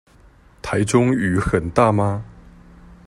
臺中雨很大嗎？